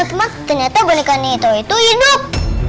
ah teman teman ternyata boneka itu hidup